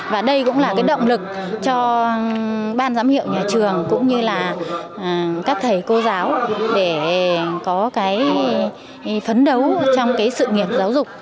và đây cũng là động lực cho ban giám hiệu nhà trường cũng như là các thầy cô giáo để có phấn đấu trong sự nghiệp giáo dục